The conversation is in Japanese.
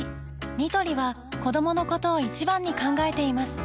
ニトリは子どものことを一番に考えています